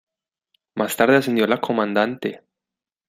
Más tarde ascendió la comandante.